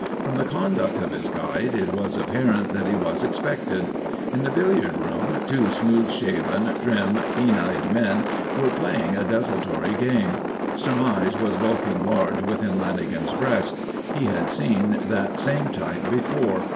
From the conduct of his guide it was apparent that he was expected. In the billiard room two smooth shaven, trim, keen eyed men were playing a desultory game. Surmise was bulking large within Lanagan's breast. He had seen that same type before.